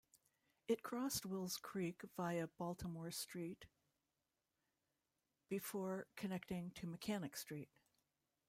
It crossed Wills Creek via Baltimore Street before connecting to Mechanic Street.